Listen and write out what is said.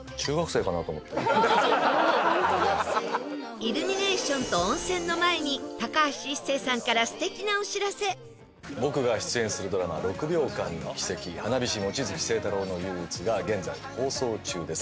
イルミネーションと温泉の前に高橋一生さんから僕が出演するドラマ『６秒間の軌跡花火師・望月星太郎の憂鬱』が現在放送中です。